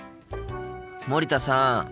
森田さん。